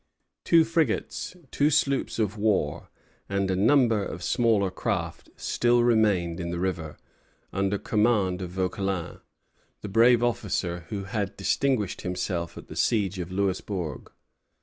Two frigates, two sloops of war, and a number of smaller craft still remained in the river, under command of Vauquelin, the brave officer who had distinguished himself at the siege of Louisbourg.